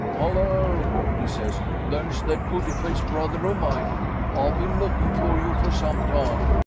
'Hollo' he says, 'there's that putty faced brother of mine. I've been looking for you for some time.